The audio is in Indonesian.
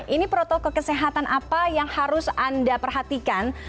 ini protokol kesehatan apa yang harus anda perhatikan